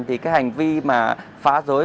thì cái hành vi mà phá rối